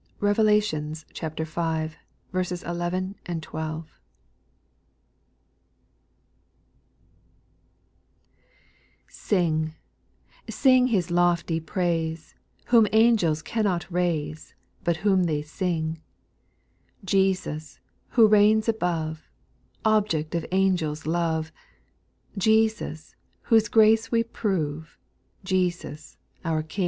Revelations v. 11, 12. 1. QING, sing His lofty praise, O Whom angels cannot raise, But whom they sing ; Jesus, who reigns above, Object of angels' love, Jesus, whose grace we prove, Jesus, our King.